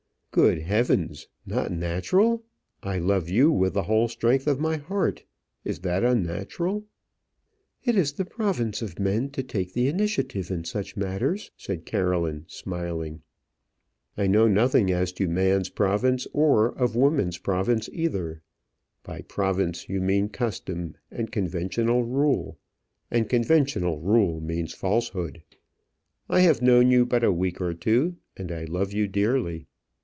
"Good heavens! not natural. I love you with the whole strength of my heart. Is that unnatural?" "It is the province of men to take the initiative in such matters," said Caroline, smiling. "I know nothing as to man's province, or of woman's province either. By province, you mean custom and conventional rule; and conventional rule means falsehood. I have known you but a week or two, and I love you dearly.